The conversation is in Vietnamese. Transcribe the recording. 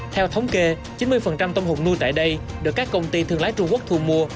theo thống kê chín mươi tôm hùm nuôi tại đây được các công ty thương lái trung quốc thu mua